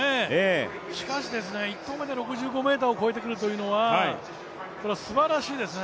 しかし１投目で６５ｍを超えてくるというのはすばらしいですね。